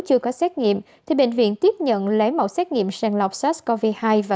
không có kết quả xét nghiệm thì bệnh viện tiếp nhận lấy mẫu xét nghiệm sàn lọc sars cov hai và